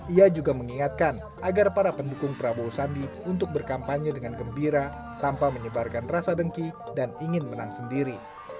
ia juga mengingatkan agar para pendukung prabowo sandi untuk berkampanye dengan gembira tanpa menyebarkan rasa dengki dan ingin menang sendiri